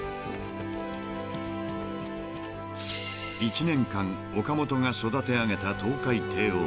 ［１年間岡元が育て上げたトウカイテイオー］